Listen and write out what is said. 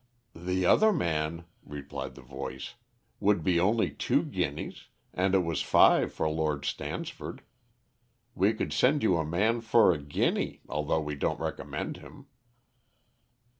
"The other man," replied the voice, "would be only two guineas, and it was five for Lord Stansford. We could send you a man for a guinea, although we don't recommend him."